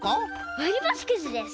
わりばしくじです！